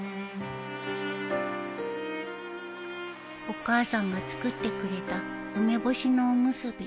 お母さんが作ってくれた梅干しのおむすび